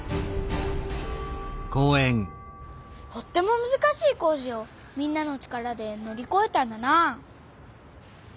とってもむずかしい工事をみんなの力でのりこえたんだなあ。